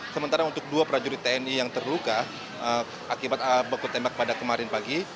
sementara untuk dua prajurit tni yang terluka akibat baku tembak pada kemarin pagi